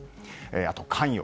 あと関与。